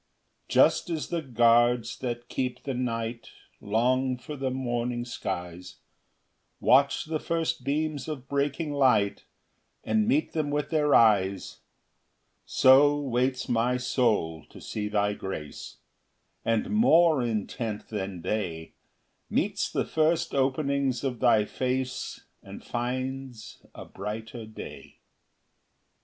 ] 5 [Just as the guards that keep the night Long for the morning skies, Watch the first beams of breaking light, And meet them with their eyes; 6 So waits my soul to see thy grace, And more intent than they, Meets the first openings of thy face, And finds a brighter day.